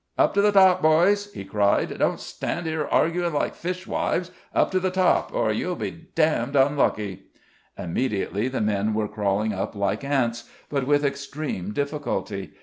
"Up to the top, boys!" he cried. "Don't stand here arguing like fishwives. Up to the top or you'll be damned unlucky." Immediately the men were crawling up like ants, but with extreme difficulty.